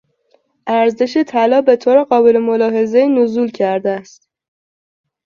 ارزش طلا به طور قابل ملاحظهای نزول کرده است.